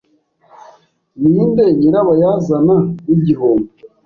Ninde nyirabayazana w'igihombo?